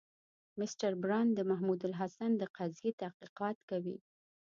مسټر برن د محمودالحسن د قضیې تحقیقات کوي.